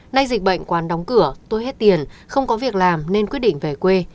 nay dịch bệnh quán đóng cửa tôi hết tiền không có việc làm nên quyết định về quê